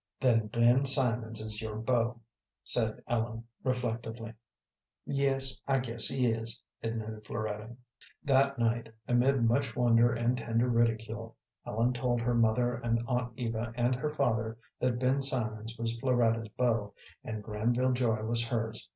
"Then Ben Simonds is your beau," said Ellen, reflectively. "Yes, I guess he is," admitted Floretta. That night, amid much wonder and tender ridicule, Ellen told her mother and Aunt Eva, and her father, that Ben Simonds was Floretta's beau, and Granville Joy was hers.